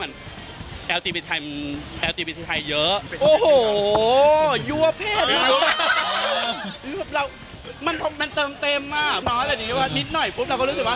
ไม่สามารถถ้าตลาดเลิฟเร้วก็